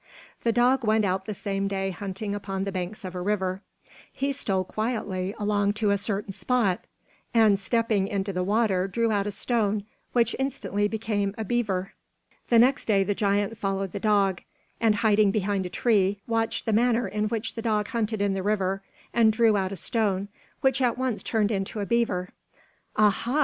The dog went out the same day hunting upon the banks of a river. He stole quietly along to a certain spot, and stepping into the water drew out a stone, which instantly became a beaver. The next day the giant followed the dog, and hiding behind a tree, watched the manner in which the dog hunted in the river and drew out a stone, which at once turned into a beaver. "Ah, ha!"